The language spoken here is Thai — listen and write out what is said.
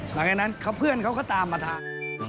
หลังจากนั้นเพื่อนเขาก็ตามมาทัก